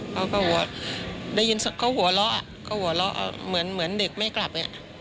เขาก็หัวได้ยินเขาหัวเราะก็หัวเราะเหมือนเหมือนเด็กไม่กลับอย่างเงี้ย